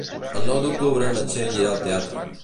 El nou d'octubre na Txell irà al teatre.